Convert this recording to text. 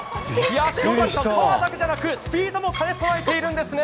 塩崎さん、パワーだけでなくスピードも兼ね備えているんですね。